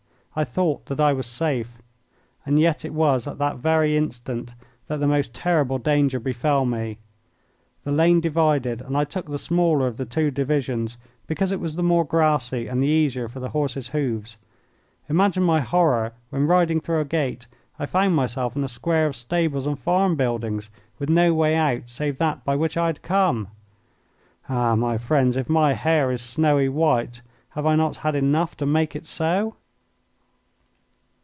I thought that I was safe. And yet it was at that very instant that the most terrible danger befell me. The lane divided, and I took the smaller of the two divisions because it was the more grassy and the easier for the horse's hoofs. Imagine my horror when, riding through a gate, I found myself in a square of stables and farm buildings, with no way out save that by which I had come! Ah, my friends, if my hair is snowy white, have I not had enough to make it so?